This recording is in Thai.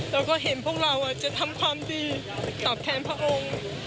เราก็เห็นพวกเราจะทำความดีตอบแทนพระองค์